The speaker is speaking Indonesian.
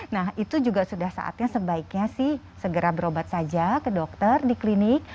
nah itu juga sudah saatnya sebaiknya sih segera berobat saja ke dokter di klinik